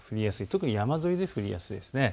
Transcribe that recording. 特に山沿いで降りやすいです。